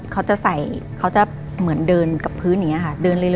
เขาจะใส่เขาจะเหมือนเดินกับพื้นอย่างนี้ค่ะเดินเร็ว